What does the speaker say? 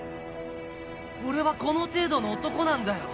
俺はこの程度の男なんだよ